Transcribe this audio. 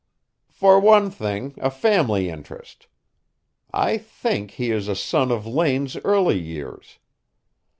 "For one thing, a family interest. I think he is a son of Lane's early years.